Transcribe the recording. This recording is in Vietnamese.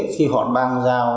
khi họ ban giao